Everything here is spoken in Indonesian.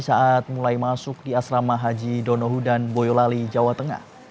saat mulai masuk di asrama haji donohudan boyolali jawa tengah